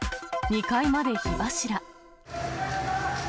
２階まで火柱。